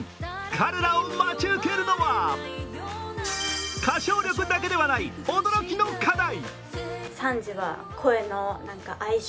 彼らを待ち受けるのは、歌唱力だけではない驚きの課題。